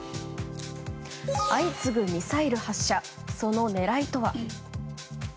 相次ぐミサイル発射その狙いとは。